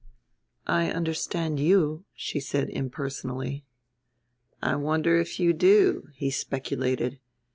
"I understand you," she said impersonally. "I wonder if you do," he speculated.